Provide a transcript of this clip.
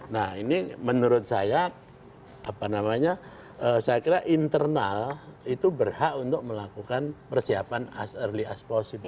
nah ini menurut saya apa namanya saya kira internal itu berhak untuk melakukan persiapan ust early aspos itu